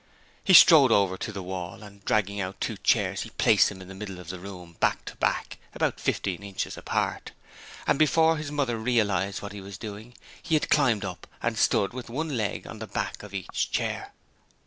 He strode over to the wall and, dragging out two chairs, he placed them in the middle of the room, back to back, about fifteen inches apart, and before his mother realized what he was doing he had climbed up and stood with one leg on the back of each chair.